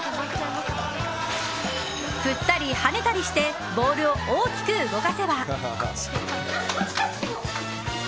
振ったり、跳ねたりしてボールを大きく動かせば。